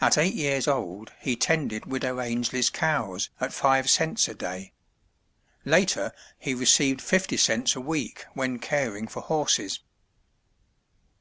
At eight years old he tended Widow Ainslie's cows at five cents a day. Later, he received fifty cents a week when caring for horses.